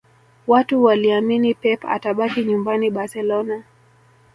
Watu waliamini Pep atabaki nyumbani Barcelona